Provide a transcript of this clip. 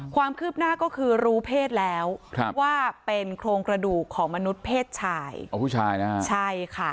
ความคืบหน้าก็คือรู้เพศแล้วว่าเป็นโครงกระดูกของมนุษย์เพศชาย